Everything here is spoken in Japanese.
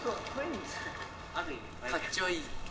かっちょいい。